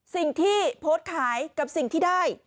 สิ่งที่โพสต์ขายกับสิ่งที่ได้